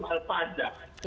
itu soal pajak